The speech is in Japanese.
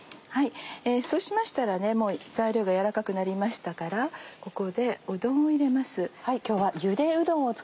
そうしましたらもう材料が軟らかくなりましたからここでうどんを入れます。